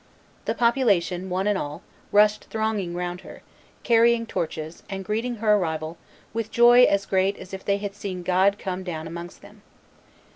The population, one and all, rushed thronging round her, carrying torches, and greeting her arrival "with joy as great as if they had seen God come down amongst them.